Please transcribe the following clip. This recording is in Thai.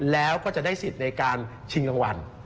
แล้วก็จะได้สิทธิ์ในการชิงรางวัล